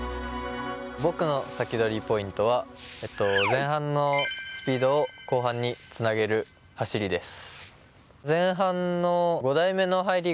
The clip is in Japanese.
僕のサキドリポイントは前半のスピードを後半につなげる走りです。